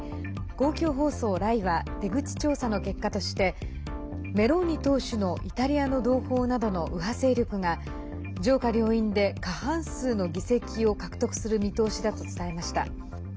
公共放送ＲＡＩは出口調査の結果としてメローニ党首のイタリアの同胞などの右派勢力が上下両院で過半数の議席を獲得する見通しだと伝えました。